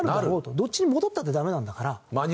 どっちみち戻ったってダメなんだから。